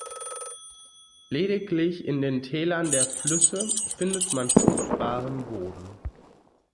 Lediglich in den Tälern der Flüsse findet man fruchtbaren Boden.